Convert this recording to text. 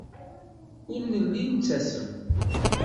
Ur nelli nettasem.